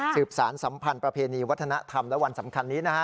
สารสัมพันธ์ประเพณีวัฒนธรรมและวันสำคัญนี้นะฮะ